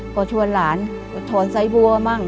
ก็ชวนหลานอดถอนไซบัวมั่ง